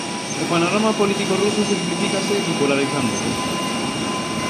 O panorama político ruso simplificase bipolarizándose.